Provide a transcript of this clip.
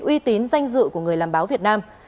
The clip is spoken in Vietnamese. uy tín danh dự của người làm báo việt nam